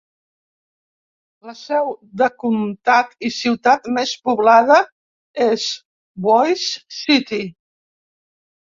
La seu de comtat i ciutat més poblada és Boise City.